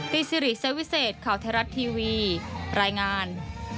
ที่ซิริเซฟวิเศษข่าวเทราชทีวีรายงาน